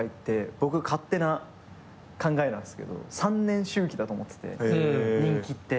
僕勝手な考えなんですけど３年周期だと思ってて人気って。